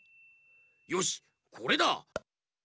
よしこれだ！